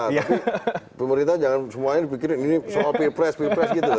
tapi pemerintah jangan semuanya dipikirin ini soal peer press peer press gitu loh